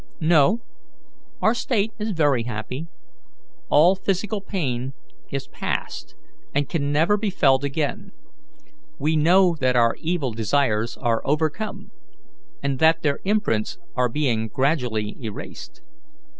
"No, our state is very happy. All physical pain is past, and can never be felt again. We know that our evil desires are overcome, and that their imprints are being gradually erased.